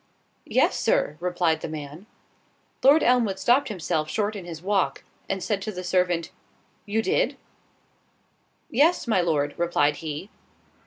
"Yes, Sir," replied the man. Lord Elmwood stopped himself short in his walk, and said to the servant, "You did?" "Yes, my Lord," replied he.